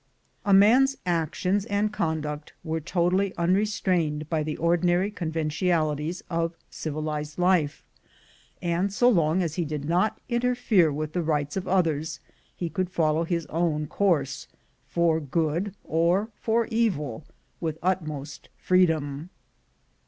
A man's actions and conduct were totally unre strained by the ordinary conventionalities of civilized life, and, so long as he did not interfere with the rights of others, he could follow his own course, for good or for evil, with utmost freedom.